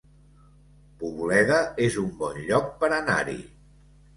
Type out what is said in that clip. Poboleda es un bon lloc per anar-hi